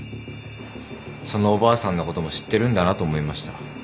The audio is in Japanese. そのおばあさんのことも知ってるんだなと思いました。